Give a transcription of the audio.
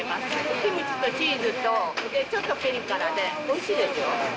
キムチとチーズと、ちょっとピリ辛でおいしいですよ。